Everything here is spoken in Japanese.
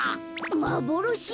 まぼろし？